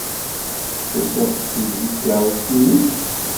Tufid-tt-id deg tkeṛṛust-nnek?